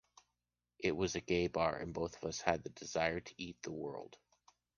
It was a gay bar and both of us had the desire to eat the world.